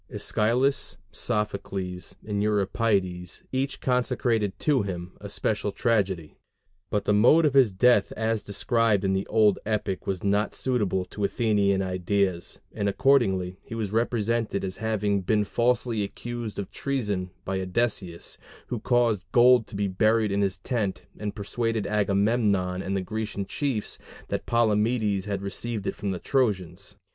Æschylus, Sophocles, and Euripides each consecrated to him a special tragedy; but the mode of his death as described in the old epic was not suitable to Athenian ideas, and accordingly he was represented as having been falsely accused of treason by Odysseus, who caused gold to be buried in his tent, and persuaded Agamemnon and the Grecian chiefs that Palamedes had received it from the Trojans.